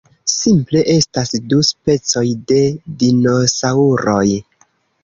Simple estas du specoj de dinosaŭroj.